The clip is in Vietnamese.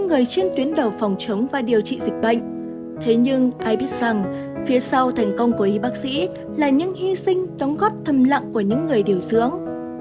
nhưng ai biết rằng phía sau thành công của y bác sĩ là những hy sinh đóng góp thầm lặng của những người điều dưỡng